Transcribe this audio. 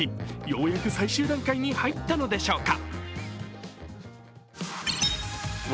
ようやく最終段階に入ったのでしょうか。